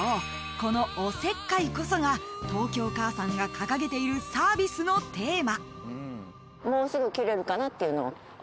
このおせっかいこそが東京かあさんが掲げているサービスのテーマ］